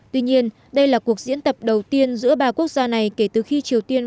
tuy nhiên đây là cuộc diễn tập đầu tiên giữa ba quốc gia này kể từ khi triều tiên